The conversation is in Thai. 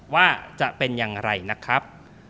ว่าจะเป็นอย่างไรนะครับ